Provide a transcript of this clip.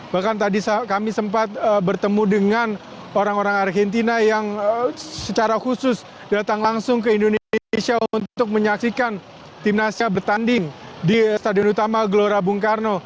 bahkan tadi kami sempat bertemu dengan orang orang argentina yang secara khusus datang langsung ke indonesia untuk menyaksikan timnasnya bertanding di stadion utama gelora bung karno